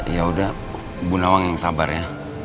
ya udah bu nawang yang sabar ya